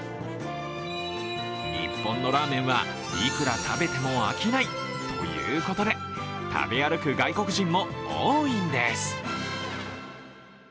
日本のラーメンはいくら食べても飽きないということで食べ歩く外国人も多いんです。